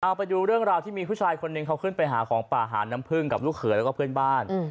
เอาไปดูเรื่องราวที่มีผู้ชายคนหนึ่งเขาขึ้นไปหาของป่าหาน้ำพึ่งกับลูกเขยแล้วก็เพื่อนบ้าน